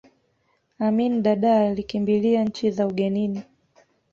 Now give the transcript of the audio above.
amin dadaa alikimbilia nchi za ugenini